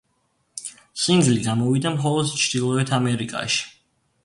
სინგლი გამოვიდა მხოლოდ ჩრდილოეთ ამერიკაში.